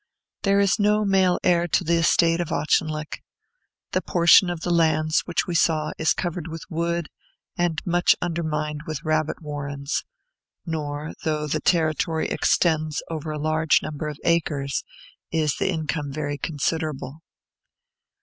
There is no male heir to the estate of Auchinleck. The portion of the lands which we saw is covered with wood and much undermined with rabbit warrens; nor, though the territory extends over a large number of acres, is the income very considerable.